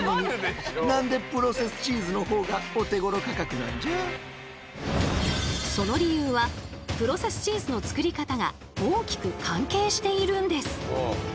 それにしてもその理由はプロセスチーズの作り方が大きく関係しているんです。